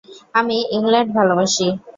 আমি ইংল্যান্ড ভালোবাসি।